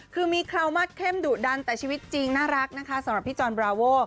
คือมีคราวมาสเข้มดุดันแต่ชีวิตจริงน่ารักนะคะสำหรับพี่จอนบราโว